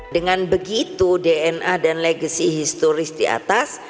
dengan begitu dna dan legasi historis di atas